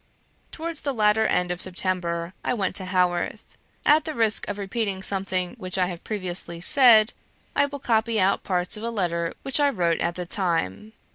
Towards the latter end of September I went to Haworth. At the risk of repeating something which I have previously said, I will copy out parts of a letter which I wrote at the time.